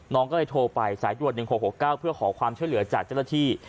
น้องก็เลยโทรไปสายด่วน๑๖๖๙เพื่อขอความช่วยเหลือจากเจ้าหน้าที่